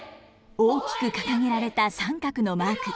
大きく掲げられた三角のマーク。